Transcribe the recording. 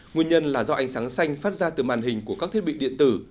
nguyên nhân là do ánh sáng xanh phát ra từ màn hình của các thiết bị điện tử